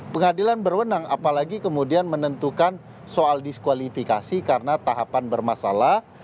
pengadilan berwenang apalagi kemudian menentukan soal diskualifikasi karena tahapan bermasalah